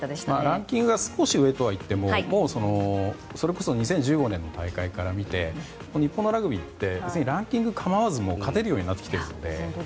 ランキングが少し上とはいってももう、それこそ２０１５年の大会から見て日本のラグビーって別にランキング構わず勝てるようになってきているので。